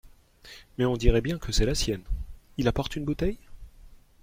Mais on dirait bien que c’est la sienne. Il apporte une bouteille ?